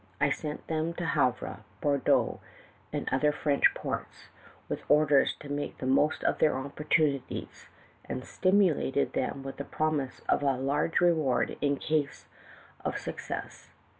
I sent them to Havre, Bordeaux and other French ports, with orders to make the most of their opportunities, and stimulated them with the promise of a large reward in case of suc cess.